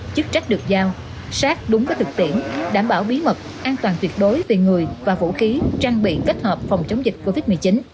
chức trách được giao sát đúng với thực tiễn đảm bảo bí mật an toàn tuyệt đối về người và vũ khí trang bị kết hợp phòng chống dịch covid một mươi chín